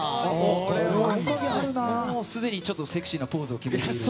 すでにちょっとセクシーなポーズを決めてる。